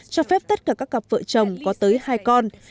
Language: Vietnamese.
cho phép tất cả các cặp vợ chồng có tới hai con